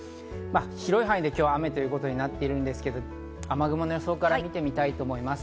広い範囲で今日は雨ということになっているんですけど、雨雲の予想から見てみたいと思います。